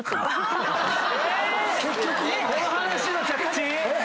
結局⁉この話の着地⁉